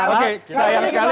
oke sayang sekali